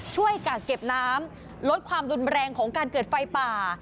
กะเก็บน้ำลดความรุนแรงของการเกิดไฟป่า